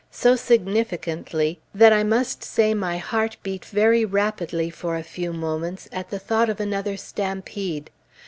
so significantly, that I must say my heart beat very rapidly for a few moments, at the thought of another stampede.